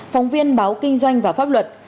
phóng viên báo kinh doanh và pháp luật